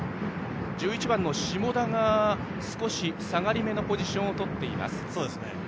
１１番の下田が少し下がりめのポジションをとっています。